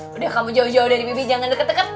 sudah kamu jauh jauh dari bebi jangan dekat dekat